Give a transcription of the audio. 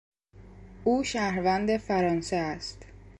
او شهروند فرانسه است.